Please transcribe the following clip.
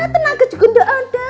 tenaga juga enggak ada